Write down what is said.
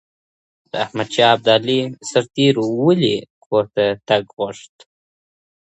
د احمد شاه ابدالي سرتېرو ولې کور ته تګ غوښت؟